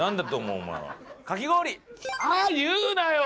あっ言うなよ！